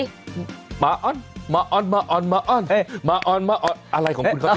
หมาอ้อนหมาอ้อนหมาอ้อนหมาอ้อนหมาอ้อนอะไรของคุณครับเนี้ย